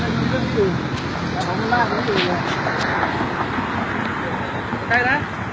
มีอะไรด้วย